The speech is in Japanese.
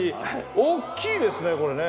おっきいですねこれね。